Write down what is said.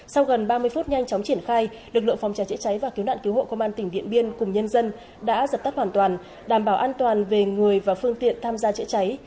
sau gần ba mươi phút nhanh chóng triển khai lực lượng phòng cháy chữa cháy và cứu nạn cứu hộ công an tỉnh điện biên cùng nhân dân đã giật tắt hoàn toàn đảm bảo an toàn về người và phương tiện tham gia chữa cháy